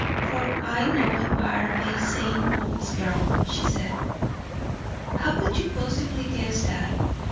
"For I know you are a St. Wode's girl," she said. "How could you possibly guess that?"